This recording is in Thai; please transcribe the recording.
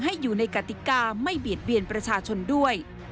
ให้อยู่ในกติกาไม่เบียดเบียนประชาชนด้วย